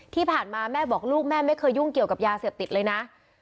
ที่ผ่านมาแม่บอกลูกแม่ไม่เคยยุ่งเกี่ยวกับยาเสพติดเลยนะ